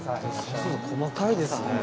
細かいですね。